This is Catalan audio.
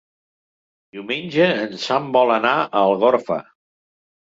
Diumenge en Sam vol anar a Algorfa.